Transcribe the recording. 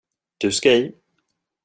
Du ska i.